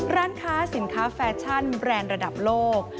ร้านค้าสินค้าแฟชั่นแบรนด์ระดับโลก